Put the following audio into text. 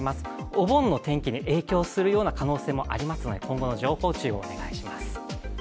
お盆の天気に影響するような可能性もありますので今後の情報、注意をお願いします。